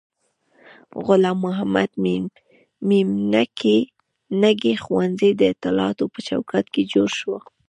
غلام محمد میمنګي ښوونځی د اطلاعاتو په چوکاټ کې جوړ شو.